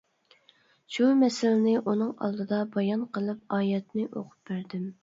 شۇ مەسىلىنى ئۇنىڭ ئالدىدا بايان قىلىپ، ئايەتنى ئوقۇپ بەردىم.